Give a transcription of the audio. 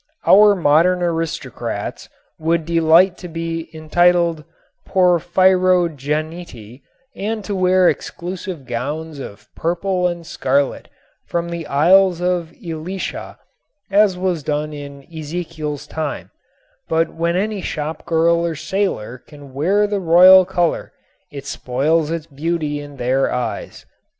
Our modern aristocrats would delight to be entitled "porphyrogeniti" and to wear exclusive gowns of "purple and scarlet from the isles of Elishah" as was done in Ezekiel's time, but when any shopgirl or sailor can wear the royal color it spoils its beauty in their eyes.